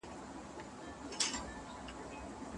خلګ به ساعت ته ګوري.